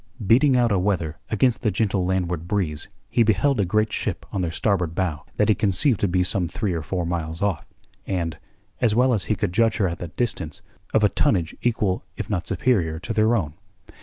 Beating out aweather, against the gentle landward breeze he beheld a great ship on their starboard bow, that he conceived to be some three or four miles off, and as well as he could judge her at that distance of a tonnage equal if not superior to their own.